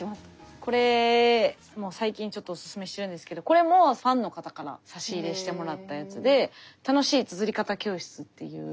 これ最近ちょっとおすすめしてるんですけどこれもファンの方から差し入れしてもらったやつで「楽しい『つづり方』教室」っていう。